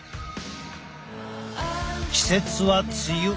季節は梅雨。